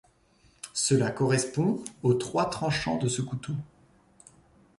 Cela correspond aux trois tranchants de ce couteau.